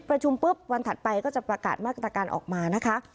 ประชุมปุ๊บวันถัดไปก็จะประกาศมาตรการออกมานะคะ